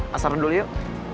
man asal dulu yuk